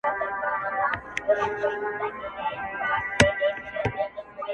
اوس مي د هغي دنيا ميـر ويـــده دی.